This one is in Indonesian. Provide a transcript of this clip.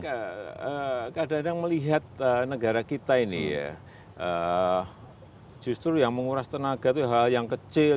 ya kita tidak ada yang melihat negara kita ini ya justru yang menguras tenaga itu hal yang kecil